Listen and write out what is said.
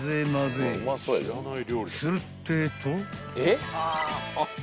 ［するってえと］